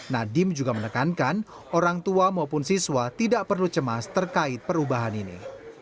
nadiem juga menekankan orang tua maupun siswa tidak perlu cemas terkait perubahan ini